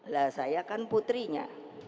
lah saya kan putrinya